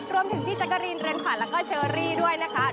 รวมถึงพี่แจ็กเกอรีนเรนขวัญแล้วก็เชอรี่ด้วยนะคะ